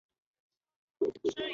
谨录状上。